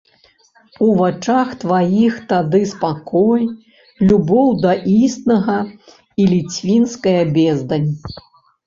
У вачах тваіх тады спакой, любоў да існага і ліцвінская бездань.